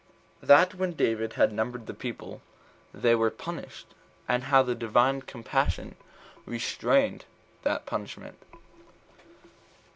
That When David Had Numbered the People, They Were Punished; and How the Divine Compassion Restrained That Punishment.